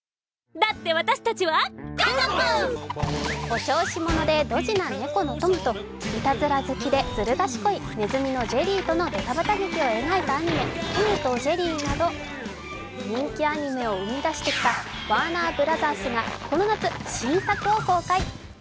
お調子者でドジな猫のトムといたずら好きでずる賢いねずみのジェリーとのドタバタ劇を描いたアニメ「トムとジェリー」など人気アニメを生み出してきたワーナー・ブラザースがこの夏、新作映像を公開。